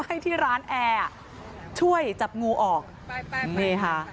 ให้ที่ร้านแอร์ช่วยจับงูออกนี่ค่ะ